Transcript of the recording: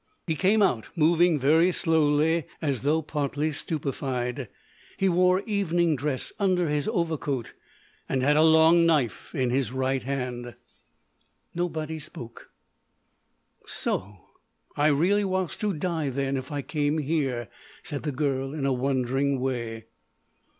_ He came out, moving very slowly as though partly stupefied. He wore evening dress under his overcoat, and had a long knife in his right hand. Nobody spoke. "So—I really was to die then, if I came here," said the girl in a wondering way.